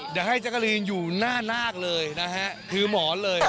เดี๋ยวให้จักรีนอยู่หน้านาคเลยนะฮะถือหมอนเลย